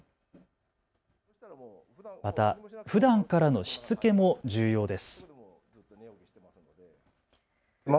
また、ふだんからのしつけも重要です。